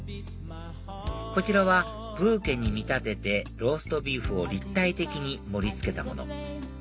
こちらはブーケに見立ててローストビーフを立体的に盛り付けたもの